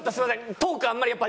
トークあんまりやっぱ。